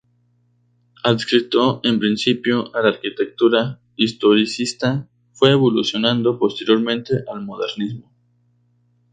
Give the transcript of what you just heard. Adscrito en principio a la arquitectura historicista, fue evolucionando posteriormente al modernismo.